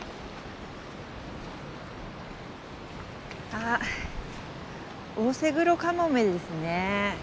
あっオオセグロカモメですね。